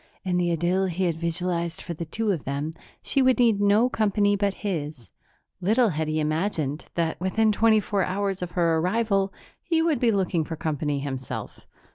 In the idyll he had visualized for the two of them, she would need no company but his. Little had he imagined that, within twenty four hours of her arrival, he would be looking for company himself.